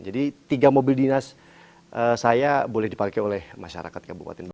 jadi tiga mobil dinas saya boleh dipakai oleh masyarakat kabupaten